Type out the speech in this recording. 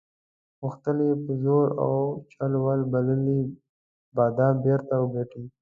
غوښتل یې په زور او چل ول بایللي بادام بیرته وګټي.